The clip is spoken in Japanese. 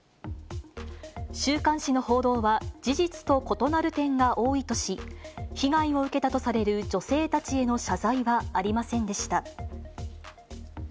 週刊誌の報道は事実と異なる点が多いとし、被害を受けたとされる女性たちへの謝罪はありませんでした。